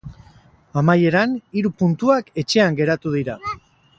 Amaieran, hiru puntuak etxean geratu dira.